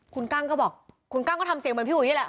คุณกั้งก็บอกคุณกั้งก็ทำเสียงเหมือนพี่อุ๋ยนี่แหละ